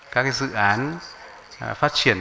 các dự án phát triển